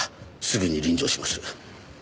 すぐに臨場します。